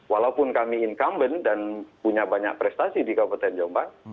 walaupun kami incumbent dan punya banyak prestasi di kabupaten jombang